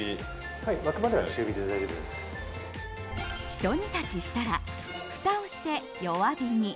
ひと煮立ちしたらふたをして弱火に。